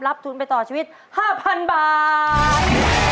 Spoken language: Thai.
ทุนไปต่อชีวิต๕๐๐๐บาท